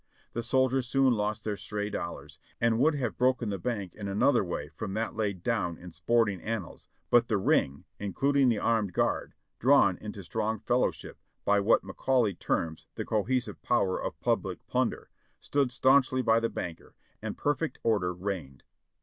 The sol diers soon lost their stray dollars, and would have broken the bank in another way from that laid down in sporting annals, but the ring, including the armed guard, drawn into strong fellow ship by what Macaulay terms the "cohesive power of public plun der," stood staunchly by the banker, and perfect order reigned.